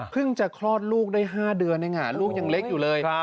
จะคลอดลูกได้๕เดือนเองลูกยังเล็กอยู่เลย